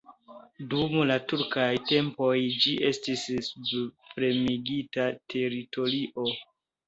Dum la turkaj tempoj ĝi estis subpremigita teritorio.